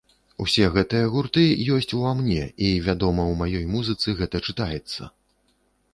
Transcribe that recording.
Усе гэтыя гурты ёсць у ва мне і, вядома, у маёй музыцы гэта чытаецца.